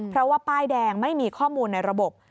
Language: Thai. เพราะว่าป้ายแดงไม่มีข้อมูลในระบบ